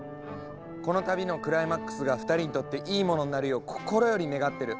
この旅のクライマックスが２人にとっていいものになるよう心より願ってる。